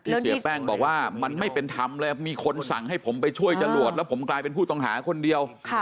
เสียแป้งบอกว่ามันไม่เป็นธรรมเลยมีคนสั่งให้ผมไปช่วยจรวดแล้วผมกลายเป็นผู้ต้องหาคนเดียว